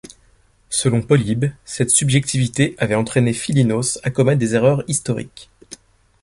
Selon Polybe, cette subjectivité avait entraîné Philinos à commettre des erreurs historiques.